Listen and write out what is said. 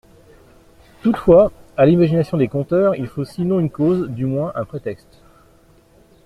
Toutefois, à l'imagination des conteurs, il faut sinon une cause, du moins un prétexte.